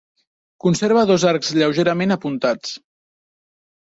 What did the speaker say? Conserva dos arcs lleugerament apuntats.